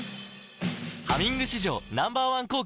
「ハミング」史上Ｎｏ．１抗菌